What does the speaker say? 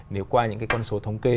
nếu qua những con số thống kê